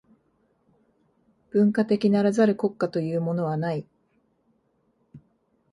文化的ならざる国家というものはない。